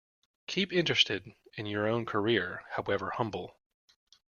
Keep interested in your own career, however humble